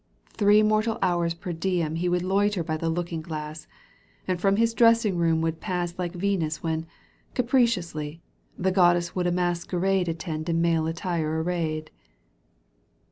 I Three mortal hours per diem he ; Would loiter by the looking glass, And from his dressing room would pass like Venus when, capriciously. The goddess would a masquerade Attend in male attire arrayed.